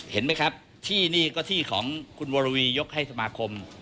เห็นไหมครับที่นี่ก็ที่ของคุณวรวียกให้สมาคม